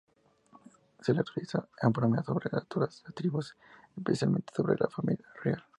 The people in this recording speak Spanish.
Se le autorizaba a bromear sobre todas las tribus, especialmente sobre la familia real.